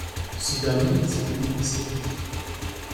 Ce dernier est disponible en série.